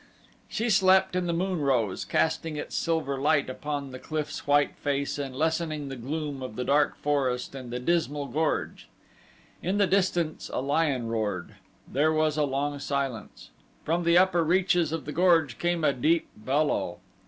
She slept and the moon rose, casting its silver light upon the cliff's white face and lessening the gloom of the dark forest and the dismal gorge. In the distance a lion roared. There was a long silence. From the upper reaches of the gorge came a deep bellow.